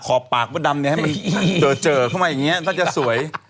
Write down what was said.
ขอบปากมดดำเนี่ยให้มันเจอเข้ามาอย่างนี้ถ้าจะสวย